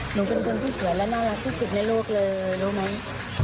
หนูเป็นคนที่สวยและน่ารักที่สุดในโลกเลยรู้ไหม